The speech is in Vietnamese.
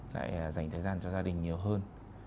lại dành thời gian cho gia đình nhiều hơn